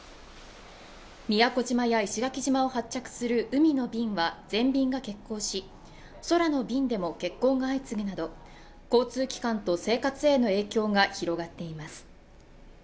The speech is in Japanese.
宮古島や石垣島を発着する海の便は全便が欠航し空の便でも欠航が相次ぐなど交通機関と生活への影響が広がっています